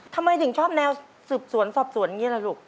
ทำไมถึงชอบแนวสืบสวนสอบสวนอย่างนี้ล่ะลูก